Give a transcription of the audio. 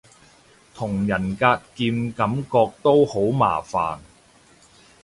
同人格劍感覺都好麻煩